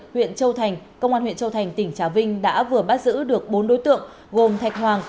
huyện châu thành công an huyện châu thành tỉnh trà vinh đã vừa bắt giữ được bốn đối tượng gồm thạch hoàng